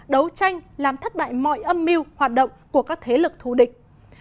đấu tranh làm thất bại mọi âm mưu hoạt động của các thế lực thù địch